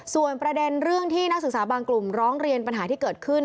ส่วนประเด็นเรื่องที่นักศึกษาบางกลุ่มร้องเรียนปัญหาที่เกิดขึ้น